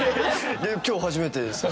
今日初めてです。